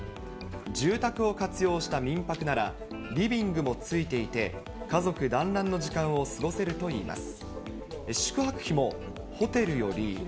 住宅を活用した民泊なら、リビングもついていて、家族団らんの時間を過ごせるといいます。